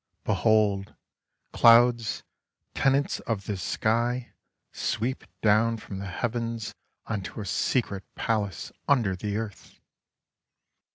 Behold, clouds, tenants of the sky, sweep down from the Heavens unto a secret palace under the Earth